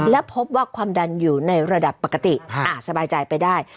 และพบว่าความดันอยู่ในระดับปกติอาจสบายใจไปได้